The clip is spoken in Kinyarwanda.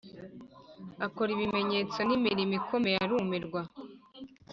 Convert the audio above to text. Akora ibimenyetso n imirimo ikomeye arumirwa